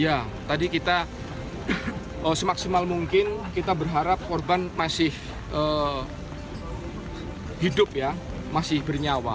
ya tadi kita semaksimal mungkin kita berharap korban masih hidup ya masih bernyawa